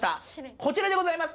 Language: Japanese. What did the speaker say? こちらでございます。